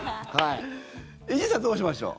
伊集院さんどうしましょう？